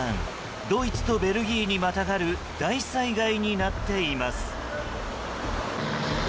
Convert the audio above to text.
ドイツとベルギーにまたがる大災害になっています。